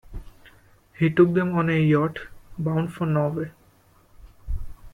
He took them on a yacht bound for Norway.